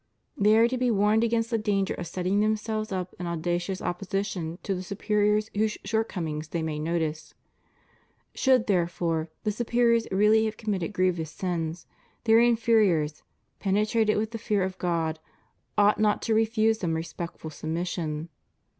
They are to be warned against the danger of setting themselves up in audacious opposition to the superiors whose shortcomings they may notice. Should, therefore, the superiors really have committed grievous sins, their inferiors, penetrated with the fear of God, ought not to refuse them respectful submission.